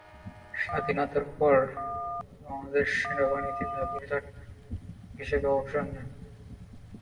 স্বাধীনতার পর তিনি বাংলাদেশ সেনাবাহিনী থেকে হাবিলদার হিসেবে অবসর নেন।